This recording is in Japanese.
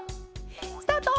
スタート！